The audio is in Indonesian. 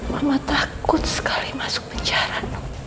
mama takut sekali masuk penjara